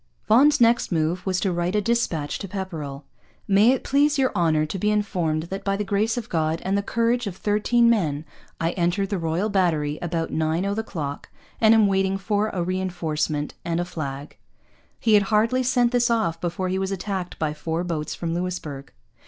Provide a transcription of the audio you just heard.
Vaughan's next move was to write a dispatch to Pepperrell: 'May it please your Honour to be informed that by the Grace of God and the courage of 13 Men I entered the Royal Battery about 9 o' the clock and am waiting for a reinforcement and a flag.' He had hardly sent this off before he was attacked by four boats from Louisbourg.